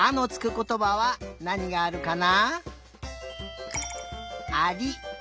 ことばはなにがあるかな？